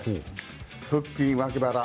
腹筋、脇腹。